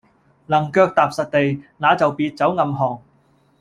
能腳踏實地，那就別走暗巷。